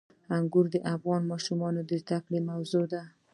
انګور د افغان ماشومانو د زده کړې موضوع ده.